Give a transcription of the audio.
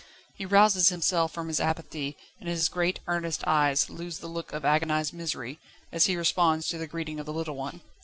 He rouses himself from his apathy, and his great earnest eyes lose their look of agonised misery, as he responds to the greeting of the little one.